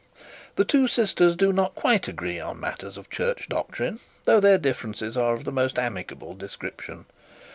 The two sisters do not quite agree on matters of church doctrine, though their differences are of the most amicable description.